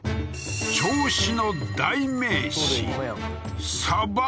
銚子の代名詞サバ